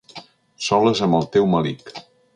Soles amb el teu melic.